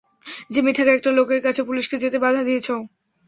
জিম্মি থাকা একটা লোকের কাছে পুলিশকে যেতে বাধা দিয়েছে ও।